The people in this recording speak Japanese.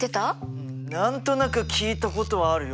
うん何となく聞いたことはあるよ。